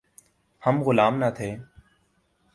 ہم غلام نہ تھے۔